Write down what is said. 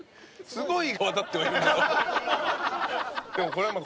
すごい！